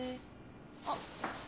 あっ。